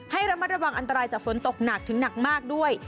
ให้ระมัดระวังอันตรายจากฝนตกหนักถึงหนักมากด้วย